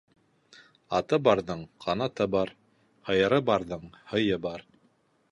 Аты барҙың ҡанаты бар, һыйыры барҙың һыйы бар.